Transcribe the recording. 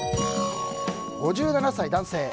５７歳、男性。